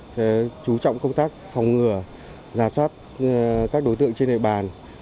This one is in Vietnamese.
sẽ chú trọng công tác phòng ngừa giả soát các đối tượng trên địa bàn